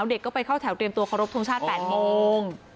เด็กก็ไปเข้าแถวเตรียมตัวเคารพทงชาติ๘โมง